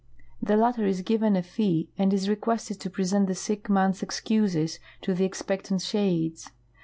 The latter is given a fee and is requested to present the sick man's excuses to the expectant shades.